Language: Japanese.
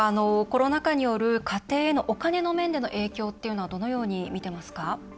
コロナ禍による家庭へのお金の面での影響はどのように見てますか？